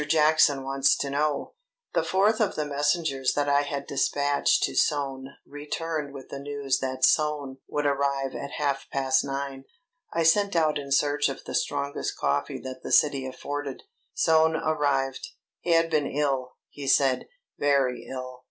Jackson wants to know " The fourth of the messengers that I had despatched to Soane returned with the news that Soane would arrive at half past nine. I sent out in search of the strongest coffee that the city afforded. Soane arrived. He had been ill, he said, very ill.